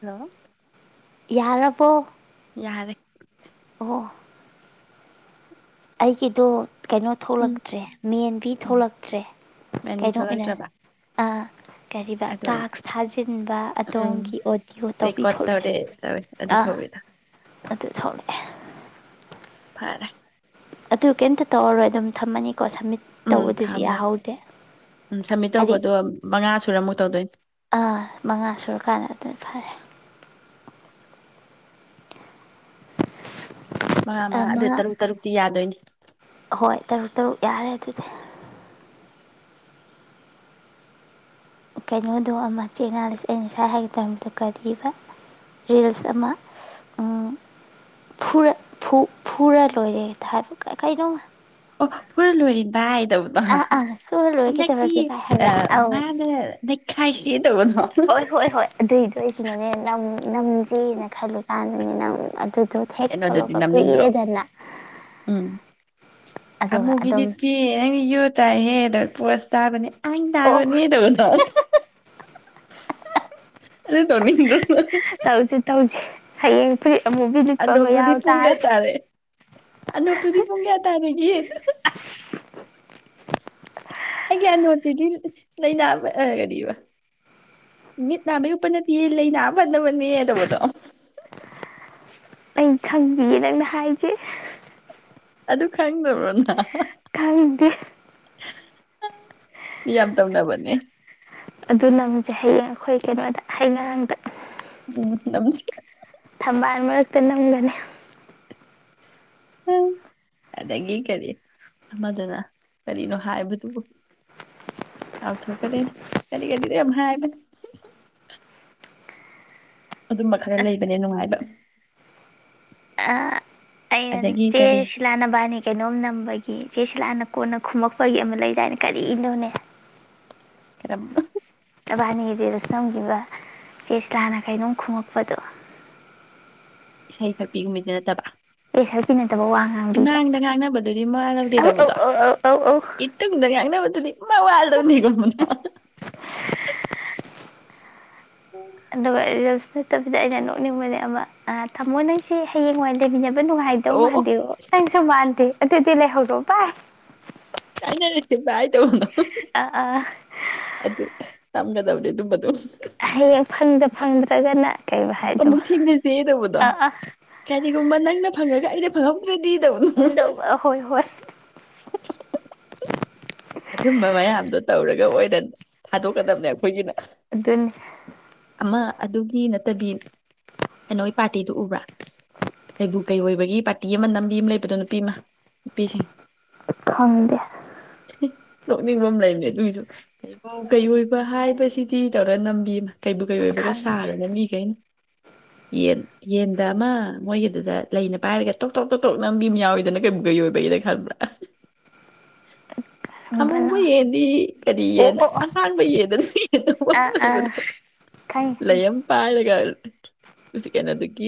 hello ꯌꯥꯔ ꯄꯣ ꯌꯥꯔꯦ ꯑꯣ ꯑꯩꯒꯤꯗꯨ ꯀꯩꯅꯣ ꯎꯝ ꯊꯣꯛꯂꯛꯇ꯭ꯔꯦ ꯃꯦꯟꯕꯤ ꯎꯝ ꯊꯣꯛꯂꯛꯇ꯭ꯔꯦ ꯃꯦꯟꯕꯤ ꯀꯩꯅꯣ ꯑꯣꯏꯅ ꯊꯣꯛꯂꯛꯇ꯭ꯔꯕ ꯀꯔꯤꯕ ꯑꯗꯨ ꯑꯣꯏꯅ ꯇꯥꯛꯁ ꯊꯥꯖꯤꯟꯕ ꯎꯝ ꯑꯗꯣꯝꯒꯤ ꯑꯣꯗꯤꯌꯑꯣ ꯇꯧꯕꯤ ꯔꯦꯀꯣꯔꯠ ꯇꯧꯔꯦ ꯊꯣꯛꯂꯛꯑꯦ ꯇꯧꯋꯦ ꯑꯗꯨ ꯑꯥ ꯊꯧꯕꯤꯗꯣ ꯑꯗꯨ ꯊꯣꯛꯂꯛꯑꯦ ꯐꯔꯦ ꯑꯗꯨ ꯀꯩꯝꯇ ꯇꯧꯔꯔꯣꯏ ꯑꯗꯨꯝ ꯊꯝꯃꯅꯤ ꯎꯝ ꯊꯃ ꯎꯝ ꯁꯝꯃꯤꯠ ꯍꯥꯏꯗꯤ ꯇꯧꯕꯗꯣ ꯃꯉꯥ ꯁꯨꯔꯃꯨꯛ ꯇꯗꯅꯤ ꯑꯥ ꯃꯉꯥ ꯁꯨꯔꯀꯥꯟꯗ ꯑꯗꯨ ꯐꯔꯦ ꯃꯉꯥ ꯃꯉꯥ ꯑꯃ ꯑꯗꯨ ꯇꯔꯨꯛ ꯇꯔꯨꯛꯇꯤ ꯌꯥꯗꯣꯏꯅꯤ ꯍꯣꯏ ꯇꯔꯨꯛ ꯇꯔꯨꯛ ꯌꯥꯔꯦ ꯑꯗꯨꯗꯤ ꯀꯩꯅꯣꯗꯣ ꯑꯃ ꯆꯦꯡꯅꯥꯁꯦ ꯑꯩꯅ ꯉꯁꯥꯏ ꯍꯥꯏꯒꯗꯧꯛꯇ ꯀꯔꯤꯕ ꯔꯤꯜꯁ ꯑꯃ ꯐꯨꯔ ꯂꯣꯏꯔꯦ ꯍꯥꯏꯕ ꯀꯩꯅꯣ ꯑꯣ ꯐꯔ ꯂꯣꯏꯔꯝ ꯕꯥ ꯑꯗ ꯑꯥ ꯑꯥ ꯐꯨꯔ ꯂꯣꯏꯔꯦ ꯀꯩꯗꯧꯔꯒꯦ ꯚꯥꯏ ꯍꯥꯏꯕ꯭ꯔꯥ ꯑ ꯑꯧ ꯃꯥꯗ ꯍꯥꯏꯁꯤ ꯍꯣꯏ ꯍꯣꯏ ꯍꯣꯏ ꯑꯗꯨꯏꯗꯏ ꯁꯤꯅꯅꯦ ꯅꯝꯖꯦꯅ ꯈꯜꯂꯀꯥꯟꯗꯅꯦ ꯅꯪ ꯑꯗꯨ ꯍꯦꯦꯛ ꯐꯂꯣ ꯀꯩꯅꯣꯗꯨꯗꯤ ꯐ ꯀꯨ ꯅꯝꯅꯤꯡꯗ꯭ꯔꯣ ꯏꯔꯦꯗ ꯑꯃꯃꯨꯕꯤꯗꯤꯄꯤꯤ ꯅꯪ ꯌꯣ ꯇꯥꯏ ꯍꯦ ꯑꯗ ꯄꯨꯔꯁ ꯇꯥꯕꯅꯦ ꯑ ꯑꯣ ꯇꯔꯕꯅꯤ ꯇꯧꯕꯗꯣ ꯑ ꯇꯅꯤꯡꯗ ꯇꯧꯁꯤ ꯇꯧꯁꯤ ꯍꯌꯦꯡ ꯐꯨꯔꯤꯠ ꯑꯃꯨꯕꯤ ꯂꯤꯠꯄ ꯑꯃ ꯑꯗꯣꯞꯗꯨꯨꯗꯤ ꯌꯥꯎ ꯄꯨꯡ ꯀꯌꯥ ꯇꯥꯔꯦ ꯑꯗꯣꯛꯞꯇꯨꯗꯤ ꯄꯨꯡ ꯀꯌꯥ ꯇꯥꯔꯦꯒꯦ ꯑꯩ ꯀꯌꯥ ꯅꯣꯠꯇꯤꯗꯤ ꯂꯩꯅꯥ ꯀ ꯃꯤꯠ ꯅꯥꯕ ꯌꯄ ꯅꯠꯇꯦ ꯂꯩꯅꯥꯕ ꯃꯅꯤ ꯇꯧꯕꯗꯣ ꯑꯩ ꯈꯪꯕꯤꯌꯦ ꯅꯪꯅ ꯍꯥꯏꯒꯦ ꯑꯗꯨ ꯈꯪꯗꯧꯕ꯭ꯔꯅ ꯀꯥꯏꯗꯦ ꯌꯥꯝ ꯇꯝꯅꯕꯅꯤ ꯑꯗꯨ ꯅꯪꯁꯦ ꯍꯌꯦꯡ ꯑꯩꯈꯣꯏ ꯀꯩꯅꯣꯗ ꯍꯌꯦ ꯉꯔꯥꯡꯗ ꯎꯝ ꯅꯁꯤ ꯊꯝꯕꯥꯜ ꯃꯔꯛꯇ ꯅꯝꯒꯅꯤ ꯑꯗꯒꯤ ꯀꯔꯤ ꯑꯃꯗꯨꯅ ꯀꯔꯤꯅꯣ ꯍꯥꯏꯕꯗꯨꯕꯨ ꯂꯥꯎꯊꯣꯛꯀꯅꯤꯅꯤ ꯀꯔꯤ ꯀꯔꯤꯅꯣ ꯌꯥꯝ ꯍꯥꯏꯒꯅꯤ ꯑꯗꯨꯝꯕ ꯈꯔ ꯂꯩꯕꯅꯦ ꯅꯨꯡꯉꯥꯏꯕ ꯑꯗꯒꯤ ꯏꯦ ꯀꯔꯤ ꯁꯤꯂꯥꯟꯕꯥꯅꯦ ꯀꯩꯅꯣꯝ ꯅꯝꯕꯒꯤ ꯏꯆꯦꯁꯤ ꯂꯥꯟꯅ ꯀꯣꯟꯅ ꯈꯨꯝꯃꯛꯄꯒꯤ ꯑꯃ ꯂꯩꯗꯥꯏꯅꯦ ꯀꯔꯤꯅꯣꯅꯦ [inaudible] ꯑꯕꯥꯅꯤꯗꯤꯗꯁꯨ ꯅꯝꯈꯤꯕ ꯀꯦꯁꯂꯥꯅ ꯀꯩꯅꯣꯝ ꯈꯣꯉꯛꯄꯗꯣ ꯏꯁꯩ ꯈꯔ ꯄꯤꯒꯨꯝ ꯃꯤꯗꯤ ꯅꯠꯇꯕ ꯍꯥꯏꯅ ꯏꯃꯥꯡꯗ ꯉꯥꯡꯅꯕꯗꯨꯗꯤ ꯃꯥꯋꯥ ꯂꯧꯗꯦ ꯑꯧ ꯑꯧ ꯇꯧꯕꯗꯣ ꯑꯧ ꯑꯧ ꯑꯧ ꯑꯧ ꯏꯇꯨꯡꯗ ꯉꯥꯡꯅꯕ ꯑꯗꯨꯗꯤ ꯃꯋꯥ ꯂꯧꯗꯦ ꯑꯗꯨꯒ [unintelligible] ꯅꯠꯇꯕꯤꯗ ꯑꯩꯅ ꯅꯣꯛꯅꯤꯡꯕꯅꯦ ꯑꯃ ꯊꯥꯃꯣ ꯅꯪ ꯁꯤ ꯍꯌꯦꯡꯋꯥꯏꯅ ꯂꯩꯃꯤꯟꯅꯕ ꯅꯨꯡꯉꯥꯏꯗꯧ ꯑꯣ ꯑꯣ ꯃꯥꯟꯗꯦꯕꯨ ꯅꯪꯁꯨ ꯃꯥꯟꯗꯦ ꯑꯗꯨ ꯂꯩꯍꯧꯔꯣ ꯕꯥꯏ ꯀꯥꯏꯅꯔꯁꯦ ꯕꯥꯏ [unintelligible] ꯑ ꯑ ꯑꯗꯨ ꯇꯝꯒꯗꯕꯅꯤ ꯑꯗꯨꯝꯕꯗꯣ ꯍꯌꯦꯡ ꯐꯪꯗ ꯐꯪꯗ꯭ꯔꯒꯅ ꯀꯩꯕ ꯍꯥꯏꯗꯣ ꯑꯃꯨꯛ ꯊꯦꯡꯅꯁꯦ ꯇꯧꯕꯗꯣ ꯑ ꯑ ꯀꯔꯤꯒꯨꯝꯕ ꯅꯪꯅ ꯐꯪꯉꯒ ꯑꯩꯅ ꯐꯪꯍꯧꯗ꯭ꯔꯗꯤ ꯇꯧꯕꯗꯨ ꯉꯝꯗꯧꯕ ꯍꯣꯏ ꯍꯣꯏ ꯑꯗꯨꯝꯕ ꯃꯌꯥꯝꯗꯣ ꯇꯧꯔꯒ ꯑꯣꯏꯅ ꯊꯥꯗꯣꯛꯀꯗꯕꯅꯦ ꯑꯩꯈꯣꯏꯒꯤꯅ ꯑꯗꯨꯅꯤ ꯑꯃ ꯑꯗꯨꯒꯤ ꯅꯠꯇꯕꯤ ꯀꯩꯅꯣꯒꯤ ꯄꯥꯔꯇꯤꯗꯨ ꯎꯕ꯭ꯔꯥ ꯀꯩꯕꯨ ꯀꯩꯑꯣꯏꯕꯒꯤ ꯄꯥꯔꯇꯤ ꯑꯃ ꯅꯝꯕꯤ ꯑꯃ ꯂꯩꯕꯗꯣ ꯅꯨꯄꯤ ꯑꯃ ꯄꯤꯁꯤ ꯈꯪꯗꯦ ꯅꯣꯛꯅꯤꯡꯕ ꯂꯩꯕꯅꯦ ꯑꯗꯨꯏꯁꯨ ꯀꯩꯕꯨ ꯀꯩꯑꯣꯏꯕ ꯍꯥꯏꯕꯁꯤꯗꯤ ꯇꯧꯔ ꯅꯝꯕꯤꯃ ꯀꯩꯕꯨ ꯀꯩꯑꯣꯏꯕꯒ ꯈꯪꯗꯦ ꯁꯥꯔꯒ ꯃꯤꯈꯩꯅ ꯌꯦꯟ ꯌꯦꯟꯗ ꯑꯃ ꯃꯣꯏꯒꯤꯗꯨꯗ ꯂꯩꯅ ꯄꯥꯏꯔꯒ ꯇꯣꯛ ꯇꯣꯛ ꯇꯣꯛ ꯇꯣꯛ ꯅꯝꯕꯤ ꯑꯃ ꯌꯥꯎꯋꯤꯗꯅ ꯀꯩꯝꯕ ꯀꯩꯑꯣꯏꯕꯒꯤꯗ ꯈꯡꯕ꯭ꯔꯥ ꯑꯃꯨꯕ ꯕꯂꯥ ꯌꯦꯟꯗꯤ ꯀꯔꯤ ꯑꯣ ꯌꯦꯟ ꯑꯣ ꯑꯣ ꯑꯉꯥꯡꯕ ꯌꯦꯟꯗ ꯑꯥ ꯑꯥ ꯈꯪꯉꯦ ꯈꯪꯉꯦ ꯂꯩꯑꯝ ꯄꯥꯏ [unintelligible] ꯑꯗꯨꯒꯤ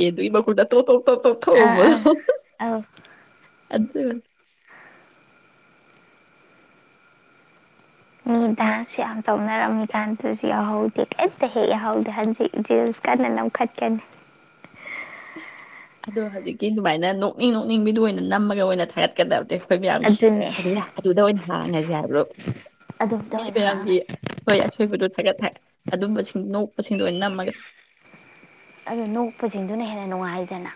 ꯌꯦꯟꯗꯨꯒꯤ ꯃꯈꯨꯠꯅ ꯇꯣꯞ ꯇꯣꯞ ꯇꯣꯞ ꯇꯣꯞ ꯑꯥ ꯊꯣꯝꯕꯗꯣ ꯑꯥ ꯑꯧ ꯑꯗꯨ ꯃꯤ ꯗꯥꯟꯁ ꯌꯥꯝ ꯇꯧꯅꯔꯝꯃꯤ ꯀꯥꯟꯗꯁꯨ ꯌꯥꯎꯍꯧꯗꯦ ꯀꯩꯝꯇ ꯍꯦꯛ ꯌꯥꯎꯍꯧꯗꯦ ꯍꯟꯖꯤꯛ ꯔꯤꯜꯁ ꯀꯟꯅ ꯅꯝꯈꯠꯀꯅꯤ ꯑꯗꯣ ꯍꯧꯖꯤꯛꯀꯤ ꯑꯗꯨꯃꯥꯏꯅ ꯅꯣꯛꯅꯤꯡ ꯅꯣꯛꯅꯤꯡꯕꯤꯗꯨ ꯑꯣꯏꯅ ꯅꯝꯃꯒ ꯑꯣꯏꯅ ꯊꯥꯒꯠꯀꯗꯕꯅꯦ ꯃꯌꯥꯝꯒꯤ ꯑꯗꯨꯅꯦ ꯑꯗꯨꯅ ꯑꯗꯨꯗ ꯑꯣꯏꯅ ꯍꯥꯡ ꯉꯁꯤ ꯍꯥꯏꯕ꯭ꯔꯣ ꯑꯗꯨꯝꯇ ꯑꯣꯏꯅ ꯃꯤꯃꯌꯥꯝꯒꯤ ꯍꯥꯡꯉꯁꯤ ꯍꯣꯏ [unintelligible] ꯑꯣꯏꯕꯗꯣ ꯊꯥꯒꯠ [unintelligible] ꯑꯗꯨꯝꯕꯁꯤꯡ ꯅꯣꯛꯄꯁꯤꯡꯗꯣ ꯑꯣꯏꯅ ꯅꯝꯃꯒ ꯑꯗꯨ ꯅꯣꯛꯄꯁꯤꯡꯗꯨꯅ ꯍꯦꯟꯅ ꯅꯨꯡꯉꯥꯏꯗꯅ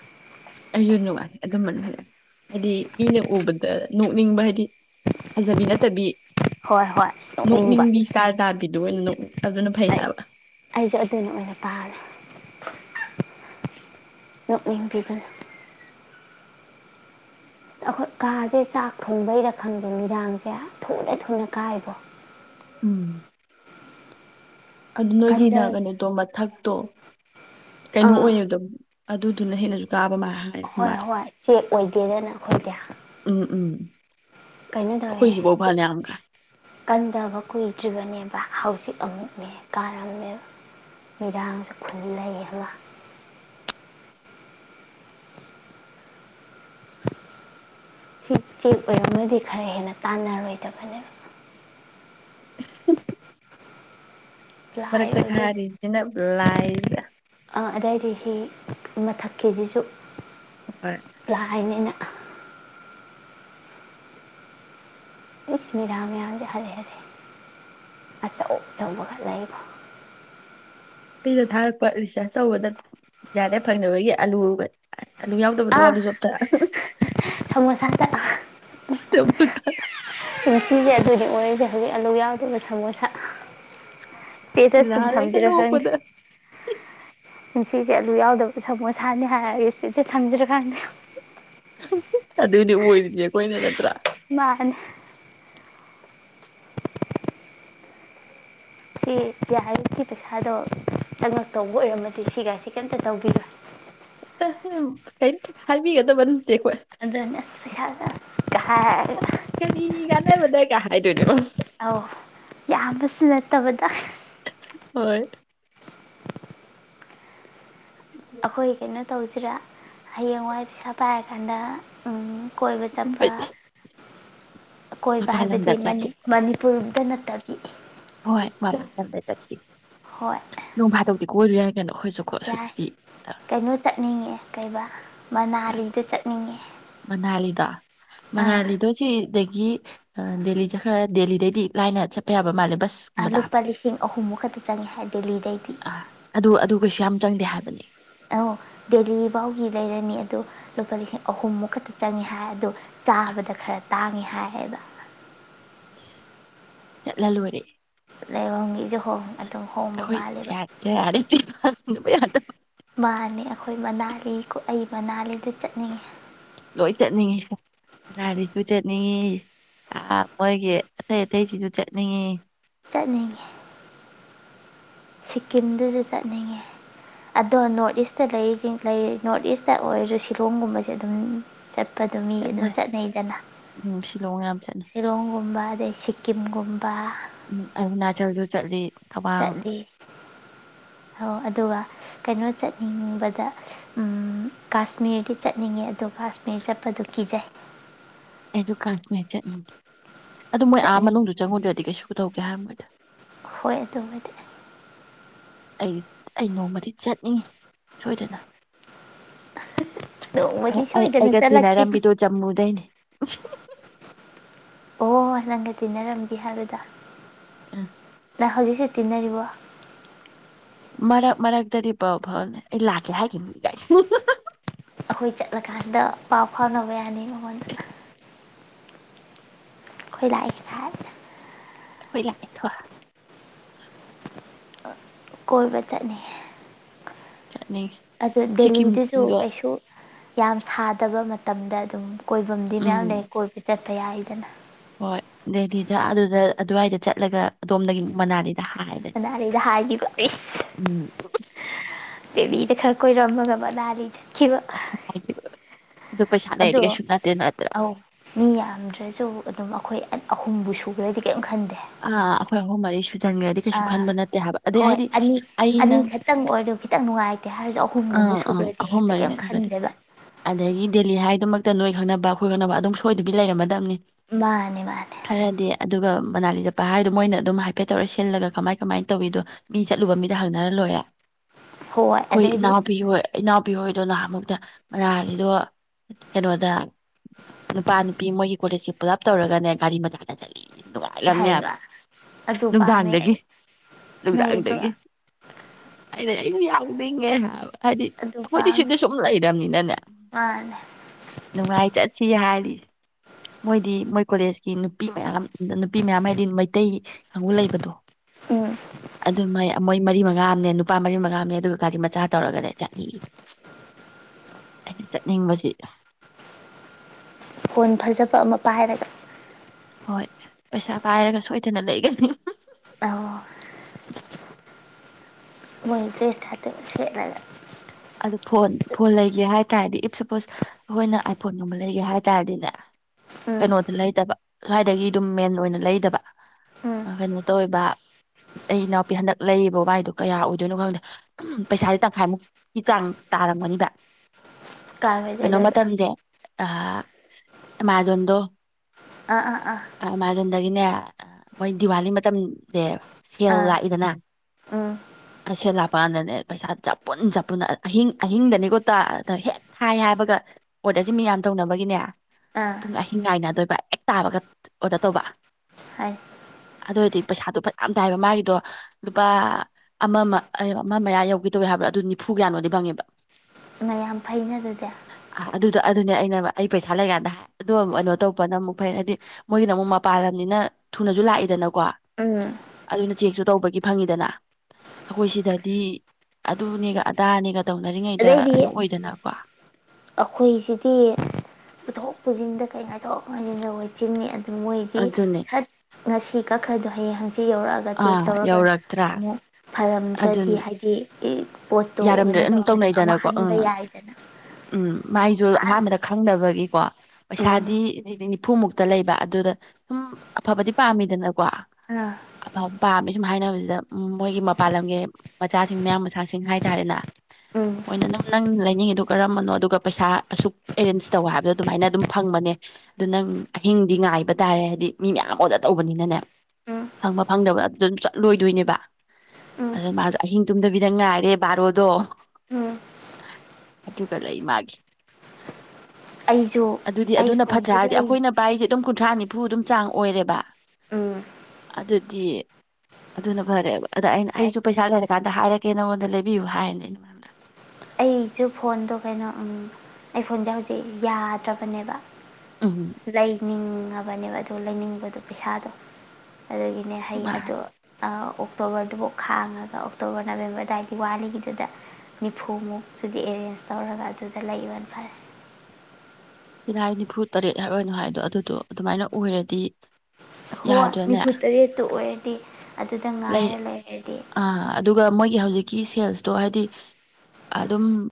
ꯑꯗꯨꯝꯕꯅꯤ [unintelligible] ꯍꯥꯏꯗꯤ ꯃꯤꯅ ꯎꯕꯗ ꯅꯣꯛꯅꯤꯡꯕ ꯍꯥꯏꯗꯤ ꯐꯖꯕꯤ ꯅꯠꯇꯕꯤ ꯍꯣꯏ ꯍꯣꯏ ꯅꯣꯛꯅꯤꯡꯕ ꯅꯣꯛꯅꯤꯡꯕꯤ ꯁ꯭ꯇꯥꯏꯜ ꯇꯥ ꯄꯤꯗꯨ ꯑꯣꯏꯅ ꯑꯗꯨꯅ ꯐꯩ ꯍꯥꯏꯕ ꯑꯩꯖꯨ ꯑꯗꯨꯅ ꯑꯣꯏꯅ ꯄꯥꯝꯃꯦ ꯅꯣꯛꯅꯤꯡꯕꯤꯗꯨꯅ ꯑꯈꯣꯏ ꯀꯥꯁꯦ ꯆꯥꯛ ꯊꯣꯡꯕꯩꯔ ꯈꯪꯗꯦ ꯃꯤꯔꯥꯡꯁꯦ ꯊꯨꯅ ꯊꯨꯅ ꯀꯥꯏꯕꯣ ꯎꯝ ꯑꯗꯨ ꯀꯟꯗ ꯅꯣꯏꯒꯤꯅ ꯀꯩꯅꯣꯗꯣ ꯃꯊꯛꯇꯣ ꯀꯩꯅꯣ ꯑꯥ ꯑꯣꯏꯕꯗꯣ ꯑꯗꯨꯗꯨꯅ ꯍꯦꯟꯅꯁꯨ ꯀꯥꯕ ꯃꯥꯜ ꯍꯣꯏ ꯍꯣꯏ ꯆꯦꯛ ꯑꯣꯏꯗꯦꯗꯅ ꯑꯩꯈꯣꯏꯗꯤ ꯎꯝ ꯎꯝ ꯀꯩꯅꯣ ꯇꯧꯋꯦ ꯑꯩꯈꯣꯏꯒꯤꯐꯥꯎ ꯐꯅ ꯌꯥꯝ ꯀꯥꯏ ꯀꯟꯗꯕ ꯀꯨꯏꯗ꯭ꯔꯤꯕꯅꯦꯕ ꯍꯧꯖꯤꯛ ꯑꯃꯨꯛꯅꯦ ꯀꯥꯔꯝꯃꯦꯕ ꯅꯨꯃꯤꯗꯥꯡꯁꯨ ꯈꯨꯜ ꯂꯩꯌꯦꯕ ꯁꯤ ꯆꯦꯛ ꯑꯣꯏꯔꯝꯒꯗꯤ ꯈꯔ ꯍꯦꯟꯅ ꯇꯥꯟꯅꯔꯣꯏꯗꯕꯅꯦꯕ [inaudible] ꯄ꯭ꯂꯥꯏ ꯐꯔꯛꯛꯇ ꯑꯣꯏꯕ ꯈꯔꯤꯁꯤꯦ ꯂ ꯑꯩꯗ ꯑꯥ ꯑꯗꯨꯏꯗꯤ ꯁꯤ ꯃꯊꯛꯀꯤꯁꯤꯁꯨ ꯍꯣꯏ ꯂꯍꯥꯏꯅꯦꯅ ꯏꯁꯁ ꯃꯤꯔꯥ ꯃꯌꯥꯝꯁꯦ ꯍꯥꯏꯔꯦ ꯍꯥꯏꯔꯦ ꯑꯆꯧ ꯑꯆꯧꯕꯒ ꯂꯩꯕ ꯁꯤꯗ ꯊꯥꯔꯛꯄ ꯔꯤꯁꯔꯁ ꯇꯧꯕꯗ ꯌꯥꯔꯦ ꯐꯪꯅꯕꯒꯤ ꯑꯂꯨꯕ ꯑ ꯊꯣꯁꯥ ꯆꯄ ꯀ ꯄꯨꯟꯁꯤꯁꯦ ꯑꯗꯨꯗꯤ ꯑꯣꯏꯔꯔꯤꯁꯦ ꯍꯧꯖꯤꯛ ꯑꯂꯨ ꯌꯥꯎꯗꯕ ꯁꯃꯣꯁꯥ ꯏ ꯏꯁꯇꯦꯇꯁ ꯁꯨꯝ ꯂꯔ ꯀ ꯊꯝꯁꯤꯔꯥ ꯈꯪꯗꯦ ꯅꯣꯄꯗ ꯄꯨꯟꯁꯤꯁꯦ ꯑꯂꯨ ꯌꯥꯎꯗꯕ ꯁꯃꯣ ꯁꯥꯅꯤ ꯍꯥꯏꯔꯒꯦ ꯁꯤꯁꯦ ꯊꯝꯖꯔ ꯈꯪꯗ ꯑꯗꯨꯏꯗꯤ ꯑꯣꯏꯔꯤꯗꯤꯦ ꯑꯩꯈꯣꯏꯅ ꯅꯠꯇ꯭ꯔꯥ ꯃꯥꯅꯦ ꯁꯤ ꯌꯥꯔꯤꯁꯤ ꯄꯩꯁꯥꯗꯣ ꯆꯪꯉꯛꯇꯧꯕ ꯑꯣꯏꯔꯝꯃꯗꯤ ꯁꯤꯒꯁꯤ ꯀꯩꯝꯇ ꯇꯧꯕꯤꯕ ꯀ ꯍꯥꯏꯕꯤꯒꯗꯕꯅꯤ ꯑꯗꯨꯅ ꯑꯁꯤ ꯥꯏ ꯅ ꯣꯗꯥꯏ ꯀꯍꯥꯏ ꯇꯅꯤꯕ ꯑꯧ ꯌꯥꯝꯕꯁꯨ ꯅꯠꯇꯕꯗ ꯍꯣꯏ ꯑꯩꯈꯣꯏ ꯀꯩꯅꯣ ꯇꯧꯁꯤꯔꯥ ꯍꯌꯦꯡꯋꯥꯏ ꯄꯩꯁꯥ ꯄꯥꯏꯔꯀꯥꯟꯗ ꯀꯣꯏꯕ ꯆꯠꯄ ꯀꯣꯏꯕ ꯃꯄꯥꯟ ꯍꯥꯏꯕꯗꯤ ꯂꯝꯗ ꯆꯠꯁꯤ ꯃꯅꯤꯄꯨꯔꯗ ꯅꯠꯇꯕ ꯍꯣꯏ ꯃꯥ ꯆꯗ ꯆꯁꯤ ꯍꯣꯏ ꯅꯣꯡꯚ ꯀꯣꯏꯔꯨ ꯌꯥꯏ ꯀꯩꯅꯣ ꯑꯩꯈꯣꯏꯁꯨꯀꯣ ꯌꯥꯏ ꯁꯨꯠꯇꯤ ꯀꯩꯅꯣ ꯇꯠꯅꯤꯡꯉꯦ ꯀꯩꯕ ꯃꯅꯥꯂꯤꯗ ꯆꯠꯅꯤꯡꯉꯦ ꯃꯅ ꯑꯥ ꯂꯩꯗꯣꯁꯤ ꯑꯗꯒꯤ ꯗꯦꯜꯂꯤꯁꯦ ꯈꯔ ꯗꯦꯜꯂꯤꯗꯩꯗꯤ ꯂꯥꯏꯅ ꯆꯠꯄ ꯌꯥꯕ ꯃꯥꯜꯂꯦ ꯕꯁ ꯂꯨꯄꯥ ꯂꯤꯁꯤꯡ ꯑꯍꯨꯝꯃꯨꯛ ꯈꯛꯇ ꯆꯪꯉꯤ ꯍꯥꯏ ꯗꯦꯜꯂꯤꯗꯩꯗꯤ ꯩꯁꯨ ꯌꯥꯝ ꯆꯪꯗꯦ ꯍꯥꯏꯕꯅꯤ ꯗꯦꯂꯤ ꯐꯥꯎꯒꯤ ꯂꯩꯔꯅꯤ ꯑꯗꯨ ꯂꯨꯄꯥ ꯂꯤꯁꯤꯡ ꯑꯍꯨꯝꯃꯨꯛ ꯈꯛꯇ ꯆꯪꯉꯦ ꯍꯥꯏ ꯑꯗ ꯆꯥꯕꯗ ꯈꯔ ꯇꯥꯡꯉꯦ ꯍꯥꯏꯌꯦꯕ ꯂꯂꯨ ꯑꯣꯏꯔꯦ ꯂꯥꯏꯍꯣꯡꯒꯤꯁꯨꯣꯡ ꯑꯗꯨꯝ ꯍꯣꯡꯕ ꯃꯥꯜꯂꯦꯕ ꯕꯩ ꯌꯥꯗ ꯃꯥꯅꯦ ꯑꯩꯈꯣꯏ ꯃꯅꯥꯂꯤ ꯀꯣ ꯑꯩ ꯃꯅꯥꯂꯤꯗꯨ ꯆꯠꯅꯤꯡꯉꯦ ꯂꯣꯏ ꯆꯠꯅꯤꯡꯉꯤ ꯑꯥꯗꯤꯁꯨ ꯆꯠꯅꯤꯡꯉꯤ ꯃꯣꯏꯒꯤ ꯑꯇꯩ ꯑꯇꯩꯁꯤꯁꯨ ꯆꯠꯅꯤꯡꯉꯤ ꯆꯠꯅꯤꯡꯉꯦ ꯁꯤꯛꯀꯤꯝꯗꯨꯁꯨ ꯆꯠꯅꯤꯡꯉꯦ ꯑꯗꯣ ꯅꯣꯔꯠ ꯏꯁꯇ ꯂꯩꯔꯤ ꯅꯣꯔꯠ ꯏꯁꯇ ꯑꯣꯏꯔꯁꯨ ꯁꯤꯂꯣꯡꯒꯨꯝꯕꯁꯦ ꯑꯗꯨꯝ ꯆꯠꯄ ꯆꯠꯄꯗꯣ ꯃꯤ ꯑꯗꯨꯝ ꯆꯠꯅꯩꯗꯅ ꯁꯤꯂꯣꯡꯒꯨꯝꯕ ꯑꯗꯩ ꯁꯤꯀꯤꯝꯒꯨꯝꯕ ꯎꯝ ꯑꯔꯨꯅꯥꯆꯜꯁꯨ ꯆꯠꯂꯤ ꯆꯠꯂꯤ ꯑꯣ ꯑꯗꯨꯒ ꯀꯩꯅꯣ ꯆꯠꯅꯤꯡꯕꯗ ꯀꯥꯁꯃꯤꯔꯗꯤ ꯆꯠꯅꯤꯡꯉꯦ ꯑꯗ ꯀꯥꯁꯃꯤꯔ ꯆꯠꯄꯗꯨ ꯀꯤꯖꯩ ꯑꯩꯗꯨ ꯀꯥꯟꯥꯁꯃꯤꯔ ꯆꯠꯅꯤ ꯑꯗꯨ ꯃꯣꯏ ꯑꯥ ꯆꯠꯅꯤꯡꯉꯦ ꯃꯅꯨꯡꯗꯨ ꯆꯪꯉꯨꯗ꯭ꯔꯗꯤ ꯀꯩꯁꯨ ꯄꯨꯊꯣꯛꯀꯦ ꯍꯥꯏꯔꯝꯃꯣꯏꯗ ꯍꯣꯏ ꯑꯗꯨ ꯑꯗꯨꯉꯥꯏꯗꯤꯦ ꯑꯩ ꯑꯩ ꯅꯣꯡꯃꯗꯤ ꯆꯠꯅꯤꯡꯉꯤ ꯁꯣꯏꯗꯅ [unintelligible] ꯑꯩ ꯁꯣꯏꯗꯅ ꯑꯩꯒ ꯆꯠꯂꯛꯈꯤꯅꯤ ꯇꯤꯟꯅꯔꯝꯕꯤꯗꯣ ꯖꯃꯨꯗꯩꯅꯤ [unintelligible] ꯑꯣ ꯅꯪꯒ ꯇꯤꯟꯅꯔꯝꯒꯦ ꯍꯥꯏꯕꯗ ꯑ ꯅꯈꯖꯤꯁꯤ ꯇꯟꯅꯔꯔꯤꯕ ꯃꯔꯛ ꯃꯔꯛꯇꯗꯤ ꯕꯥꯎ ꯐꯥꯎꯅꯦ ꯑꯩ ꯂꯥꯛꯀꯦ ꯍꯥꯏꯈꯤꯕꯅꯤꯒꯥꯏ ꯑꯩꯈꯣꯏ ꯆꯠꯂꯀꯥꯟꯗ ꯄꯥꯎ ꯐꯥꯎꯅꯕ ꯌꯥꯅꯤ ꯃꯉꯣꯟꯗ ꯈꯣꯏ ꯂꯥꯛ ꯈꯥꯏ ꯍꯣꯏ ꯂ ꯀꯦ ꯊ ꯀꯣꯏ ꯃꯆꯠꯅꯤ ꯆꯠꯅꯤꯡꯉꯤ ꯑꯗꯨ ꯗꯦꯜꯂꯤꯗꯨꯁꯨ ꯁꯤꯀꯤꯝꯒ ꯀꯩꯁꯨ ꯌꯥꯝ ꯁꯥꯗꯕ ꯃꯇꯝꯗ ꯑꯗꯨꯝ ꯀꯣꯏꯕꯝꯗꯤ ꯎꯝ ꯃꯌꯥꯝ ꯂꯩ ꯀꯣꯏ ꯆꯠ ꯀꯌꯥꯏꯗꯅ ꯍꯣꯏ ꯗꯦꯗꯤꯗ ꯑꯗꯨꯗ ꯑꯗꯨꯋꯥꯏꯗ ꯆꯠꯂꯒ ꯑꯗꯣꯝꯗꯒꯤ ꯃꯅꯥꯂꯤ ꯀꯅꯥꯔꯗ ꯍꯥꯏꯈꯤꯕ ꯎꯝ ꯗꯦꯕꯤꯗ ꯈꯔ ꯀꯣꯏꯔꯝꯃꯒ ꯃꯅꯥꯗ ꯆꯠꯈꯤꯕ ꯊꯨ ꯑꯗꯣ ꯑꯧ ꯃꯤ ꯌꯥꯝꯗ꯭ꯔꯁꯨ ꯑꯗꯨꯝ ꯑꯩꯈꯣꯏ ꯑꯍꯨꯝꯕꯨ ꯁꯨꯨꯔ꯭ꯔꯗꯤ ꯀꯔꯤꯝ ꯈꯟꯗꯦ ꯑꯥ ꯑꯩꯈꯣꯏ ꯑꯍ ꯃꯔꯤꯁ ꯑꯥ ꯍꯣꯏ ꯑꯅꯤ ꯑꯩ ꯑꯅꯤ ꯅꯪ ꯈꯛꯇꯪ ꯑꯣꯏꯔꯗꯣ ꯈꯤꯇꯪ ꯅꯨꯡꯉꯥꯏ ꯑꯥ ꯑꯥ ꯑꯍꯨꯝ ꯃꯔꯤ ꯁꯒꯗꯤ ꯈꯟꯗꯦꯕ ꯑꯗꯒꯤ ꯗꯦꯜꯂꯤ ꯍꯥꯏꯗꯨꯃꯛ ꯍ ꯅꯣꯏ ꯈꯪꯅꯕ ꯑꯩꯈꯣꯏ ꯈꯪꯅꯕ ꯑꯗꯨꯝ ꯁꯣꯏꯗꯕꯤ ꯂꯩꯔꯝꯃꯗꯕꯅꯤ ꯃꯥꯅꯦ ꯃꯥꯅꯦ ꯐꯔꯗꯤ ꯑꯗꯨꯒ ꯃꯅꯥꯂꯤꯗ ꯄ ꯍꯥꯏꯗꯣ ꯃꯣꯏꯅ ꯑꯗꯨꯝ ꯍꯥꯏꯐꯦꯠ ꯇꯧꯔ ꯁꯤꯜꯂꯒ ꯀꯃꯥꯏ ꯀꯃꯥꯏꯅ ꯇꯧꯋꯤꯗꯣ ꯃꯤ ꯆꯠꯂꯨꯕ ꯃꯤꯗ ꯍꯪꯅꯔ ꯂꯣꯏꯔꯦ ꯍꯣꯏ ꯑꯩꯈꯣꯏ ꯑꯗꯩꯗꯤ ꯏꯅꯥꯎꯄꯤ ꯍꯣꯏ ꯏꯅꯥꯎꯄꯤꯍꯣꯏꯗꯣ ꯅꯍꯥꯟ ꯑꯃꯨꯛꯇ ꯃꯅꯥꯂꯤꯗꯣ ꯀꯩꯅꯣꯗ ꯅꯨꯄꯥ ꯅꯨꯄꯤ ꯃꯣꯏꯒꯤ ꯀꯣꯂꯦꯖꯀꯤ ꯄꯨꯂꯞ ꯇꯧꯔꯒꯅꯦ ꯒꯥꯔꯤ ꯃꯆꯥꯗ ꯆꯠꯂꯤ ꯅꯨꯡꯉꯥꯏꯂꯝꯅꯤ ꯍꯥꯏꯕ ꯍꯥꯏꯕ꯭ꯔꯥ ꯑꯗꯨ ꯄꯥꯝꯃꯦ ꯅꯨꯡꯗꯥꯡꯗꯒꯤ ꯑꯩ ꯅꯩꯗ꯭ꯔꯣ ꯅꯨꯡꯗꯥꯡꯗꯒꯤ ꯑ ꯒꯦꯅꯕ ꯍꯥꯏꯗꯤ ꯑꯗꯨ ꯑꯩꯈꯣꯏꯗꯤ ꯄꯥꯝꯃꯦ ꯁꯤꯗꯤ ꯁꯨꯝ ꯂꯩꯅꯤꯅꯅꯦ ꯃꯥꯅꯦ ꯅꯨꯡꯉꯥꯏ ꯆꯠꯁꯤ ꯍꯥꯏꯔꯤ ꯃꯣꯏꯗꯤ ꯃꯣꯏ ꯀꯣꯂꯦꯖꯀꯤ ꯅꯨꯄꯤ ꯃꯌꯥꯝ ꯅꯨꯄꯤ ꯃꯌꯥꯝ ꯍꯥꯏꯗꯤ ꯃꯩꯇꯩ ꯀꯥꯡꯒꯨ ꯂꯩꯕꯗꯣ ꯎꯝ ꯑꯗꯨꯃꯥꯏ ꯃꯣꯏ ꯃꯔꯤ ꯃꯉꯥ ꯑꯃꯅꯦ ꯅꯨꯄꯥ ꯃꯔꯤ ꯃꯉꯥ ꯑꯃꯅꯦ ꯑꯗꯨꯒ ꯒꯥꯔꯤ ꯃꯆꯥ ꯇꯧꯔꯒꯅꯦ ꯆꯠꯅꯤꯡꯉ ꯑꯩꯅ ꯆꯠꯅꯤꯡꯕꯁꯤ ꯐꯣꯟ ꯐꯖꯕ ꯑꯃ ꯄꯥꯏꯔꯒ ꯍꯣꯏ ꯄꯩꯁꯥ ꯄꯥꯏꯔꯒ ꯁꯣꯏꯗꯅ ꯂꯩꯒꯅꯤ ꯑꯧ [inaudible] ꯃꯣꯏ ꯦꯁꯇ ꯆꯠ ꯂꯥꯛꯒ ꯑꯗꯨ ꯐꯣꯟ ꯐꯣꯟ ꯂꯩꯒꯦ ꯍꯥꯏ ꯇꯥꯔꯗꯤ ꯏꯐ ꯁꯄꯣꯁ ꯑꯩꯈꯣꯏꯅ ꯑꯥꯏꯐꯣꯟꯒꯨꯝꯕ ꯂꯩꯒꯦ ꯍꯥꯏ ꯇꯥꯔꯗꯤꯅꯦ ꯎꯝ ꯀꯩꯅꯣꯗ ꯂꯩꯇꯕ ꯁ꯭ꯋꯥꯏꯗꯒꯤ ꯑꯗꯨꯝ ꯃꯦꯟ ꯑꯣꯏꯅ ꯂꯩꯗꯕ ꯎꯝ ꯀꯩꯅꯣ ꯇꯧꯔꯤꯕ ꯑꯩ ꯏꯅꯥꯎꯄꯤ ꯍꯟꯗꯛ ꯂꯩꯔꯤꯕꯕ ꯋꯥꯏꯗꯣ ꯀꯌꯥ ꯑꯣꯏꯗꯣꯏꯅꯣ ꯈꯪꯗꯦ ꯄꯩꯁꯥꯗꯤ ꯇꯪꯈꯥꯏꯃꯨꯛ ꯆꯥꯡ ꯇꯥꯔꯝꯒꯅꯤꯕ ꯀꯩꯅꯣ ꯀꯝꯃꯦꯗꯗꯗ ꯃꯇꯝꯁꯦ ꯑ ꯃꯥꯒꯗꯣ ꯑꯥ ꯑꯥ ꯑꯥ ꯑꯃꯥꯖꯣꯟꯗꯒꯤꯅꯦ ꯃꯣꯏ ꯗꯤꯋꯥꯂꯤ ꯃꯇꯝꯁꯦ ꯁꯦꯜ ꯑꯥ ꯂꯥꯛꯏꯗꯅ ꯎꯝ ꯑꯩꯩꯁꯦ ꯂꯥꯛꯄꯗꯅꯦ ꯄꯩꯁꯥ ꯖ ꯄꯨꯟ ꯆ ꯑꯗꯨꯅ ꯑꯍꯤꯡ ꯑꯍꯤꯡꯗꯅꯤꯀꯣ ꯇꯥ ꯍꯦꯛ ꯊꯥꯏ ꯍꯥꯏꯕꯒ ꯑꯣꯔꯗꯔꯁꯤ ꯃꯤꯌꯥꯝ ꯇꯧꯅꯕꯒꯤꯅꯦ ꯑꯥ ꯄꯨꯡ ꯑꯍꯤꯡ ꯉꯥꯏꯅꯗꯣꯏꯕ ꯍꯦꯛ ꯇꯥꯕꯒ ꯑꯣꯔꯗꯔ ꯇꯧꯕ ꯍꯥꯏ ꯑꯗꯨ ꯑꯣꯏꯔꯗꯤ ꯄꯩꯁꯥꯗꯨꯣ ꯐꯖ ꯌꯥꯝ ꯇꯥꯏꯕ ꯃꯥꯒꯤꯗꯣ ꯂꯨꯄꯥ ꯑꯃꯃ ꯑꯃ ꯃꯌꯥ ꯌꯧꯈꯤꯗꯧꯋꯦ ꯍꯥꯏꯕ꯭ꯔꯥ ꯑꯗꯨ ꯍꯨꯝꯐꯨ ꯀꯌꯥꯅꯣꯗꯤ ꯐꯪꯉꯦꯕ ꯌꯥꯝ ꯐꯩꯅ ꯑꯗꯨꯗꯤ ꯑ, ꯑꯗꯨꯗꯣ ꯑꯗꯨꯅꯦ ꯑꯩꯅ ꯑꯩ ꯄꯩꯁꯥ ꯂꯩꯀꯥꯟꯗ ꯑꯣ ꯀꯩꯅꯣ ꯇꯧꯕꯅ ꯑꯃꯨꯛ ꯐꯩ ꯍꯥꯏꯗꯤ ꯃꯣꯏꯒꯤꯅ ꯑꯃꯨꯛ ꯃꯄꯥꯟꯂꯝꯅꯤꯅ ꯊꯨꯅꯁꯨ ꯂꯥꯛꯏꯗꯅꯀꯣ ꯑ ꯑꯗꯨꯅ ꯆꯦꯛꯁꯨ ꯇꯧꯕꯒꯤ ꯐꯪꯉꯤꯗꯅ ꯑꯩꯈꯣꯏ ꯁꯤꯗꯗꯤ ꯑꯗꯨꯅꯦꯒ ꯇꯅꯤ ꯑꯗꯩꯗꯤ ꯑꯩꯈꯣꯏꯁꯤꯗꯤ ꯄꯨꯊꯣꯛ ꯄꯨꯁꯤꯟꯗ ꯀꯩ ꯍꯥꯏꯇ ꯗ ꯍꯣꯏ ꯆꯤꯟꯅꯤ ꯑꯗꯨ ꯃꯣꯏꯗꯤꯠ ꯑꯗꯨꯅꯦ ꯉꯁꯤ ꯀꯛꯈ꯭ꯔꯗꯣ ꯍꯌꯦ ꯍꯪꯦ ꯁꯤ ꯌꯧꯔꯛꯑꯒ ꯀꯦꯛ ꯑꯥ ꯇꯧꯔꯒ ꯌꯧꯔꯛꯇ꯭ꯔꯥ ꯑꯃꯨꯛ ꯐꯔꯝꯗ꯭ꯔꯗꯤ ꯑꯗꯨꯅꯦ ꯍꯥꯏꯗꯤ ꯄꯣꯠꯇꯣ ꯑꯅ ꯆꯥꯎꯧꯦ ꯗꯅꯀꯣ ꯎꯝ ꯎꯝ ꯃꯥꯏꯁꯨ ꯑꯍꯥꯟꯕꯗ ꯈꯪꯗꯕꯒꯤ ꯀꯣ ꯎꯝ ꯄꯩꯁꯥꯗꯤ ꯅꯤꯐꯨꯃꯨꯛꯇ ꯂꯩꯕ ꯑꯗꯨꯗ ꯁꯨꯝ ꯑꯐꯕꯗꯤ ꯄꯥꯝꯃꯤꯗꯅꯀꯣ ꯑꯥ ꯑꯐꯕ ꯄꯥꯝꯃꯤ ꯁꯨꯝ ꯍꯥꯏꯅꯕꯁꯤꯗ ꯃꯣꯏꯒꯤ ꯃꯄꯥꯥꯟ ꯂꯝꯒꯤ ꯃꯆꯥꯁꯤꯡ ꯃꯌꯥꯝ ꯃꯁꯆꯥꯁꯤꯡ ꯍꯥꯏ ꯎꯝ ꯀꯝꯕꯅꯣ ꯑꯕꯔꯦ ꯃꯌꯥꯝ ꯑꯣꯗ ꯇꯧꯕꯅꯤꯅ ꯐ ꯎꯝ ꯐꯪꯕ ꯑꯗꯨ ꯎꯝ ꯑ ꯕꯥꯔꯣꯗꯣ ꯎꯝ ꯑꯗꯨꯒ ꯂꯩ ꯃꯥꯒꯤ ꯑꯩꯁꯨ ꯑꯗꯨꯗꯤ ꯑꯩ ꯑꯗꯨꯅ ꯐꯠꯇ꯭ꯔꯥ ꯐꯣꯟꯁꯨ ꯍꯥꯏꯗꯤ ꯂꯩ ꯑꯩꯈꯣꯏꯅ ꯄꯥꯏꯁ ꯑꯗꯨꯝ ꯀꯨꯟꯊ꯭ꯔꯥꯅꯤ ꯆꯝꯐꯨꯗꯨꯝ ꯆꯥꯡ ꯑꯣꯏꯔꯦꯕ ꯎꯝ ꯑꯗꯨꯗꯤ ꯑꯗꯨꯅ ꯐꯔꯦꯕ ꯑꯗ ꯑꯩꯅ ꯍꯥꯏ ꯑꯩꯁꯨ ꯄꯩꯁꯥ ꯂꯩꯔꯀꯥꯟꯗ ꯍꯥꯏꯔꯛꯀꯦ ꯅꯪꯉꯣꯟꯗ ꯂꯩ ꯕꯤꯨ ꯍꯥꯏ ꯍꯥꯏꯅꯦ ꯃꯥꯗ ꯑꯩꯁꯨ ꯐꯣꯟꯗꯣ ꯀꯩꯅꯣꯝ ꯑꯩ ꯐꯣꯟꯁꯦ ꯍꯧꯖꯤꯛ ꯌꯥꯗ꯭ꯔꯕꯅꯦꯕ ꯎꯝ ꯂꯩꯅꯤ ꯆꯪꯉꯕꯅꯦꯕ ꯑꯗꯨ ꯂꯩꯅꯤꯡꯕꯗꯣ ꯄꯩꯁꯥꯗꯣ ꯑꯗꯨꯒꯤꯅꯦ ꯍꯩ ꯃꯥ ꯑꯗꯣ ꯑꯣꯛꯇꯣꯕꯔꯗꯨꯐꯥꯎ ꯈꯥꯡꯉꯒ ꯑꯣꯛꯇꯣꯕꯔ ꯅꯕꯦꯝꯕꯔ ꯑꯗꯨꯋꯥꯏꯗ ꯋꯥꯠꯂꯤꯉꯗꯨꯗ ꯅꯤꯐꯨꯃꯨꯛ ꯑꯗꯨꯗꯤ ꯑꯦꯔꯦꯟꯖ ꯇꯧꯔꯒ ꯑꯗꯨꯗ ꯂꯩꯕ ꯐꯔ ꯁꯤꯂꯥꯏ ꯅꯤꯐꯨ ꯇꯔꯦꯠ ꯍꯥꯏ ꯑꯣꯏꯅꯣ ꯍꯥꯏꯗꯣ ꯑꯗꯨꯗꯣ ꯑꯗꯨꯃꯥꯏꯅ ꯑꯣꯏꯔꯗꯤ ꯍꯣꯏ ꯌꯥꯗ꯭ꯔꯅꯦ ꯅꯤꯐꯨꯇꯔꯦꯠꯇꯨ ꯑꯣꯏꯔꯗꯤ ꯑꯗꯨꯗ ꯂꯩ ꯉꯥꯏꯔ ꯂꯩꯣꯏꯔꯗꯤ ꯑꯥ ꯑꯗꯨꯒ ꯃꯣꯏꯒꯤ ꯍꯧꯖꯤꯛꯀꯤ ꯁꯦꯜꯁꯇꯣ ꯍꯥꯏꯗꯤ ꯑꯗꯨꯝ